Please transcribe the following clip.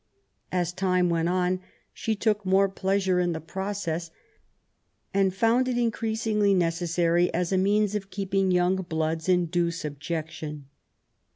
As time went on she took more pleasure in the process, arid found it increasingly necessary as a means of keeping young bloods in due subjection.